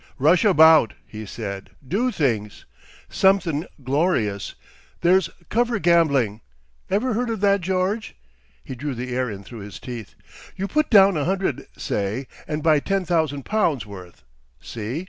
"Rush about," he said. "Do things! Somethin' glorious. There's cover gambling. Ever heard of that, George?" He drew the air in through his teeth. "You put down a hundred say, and buy ten thousand pounds worth. See?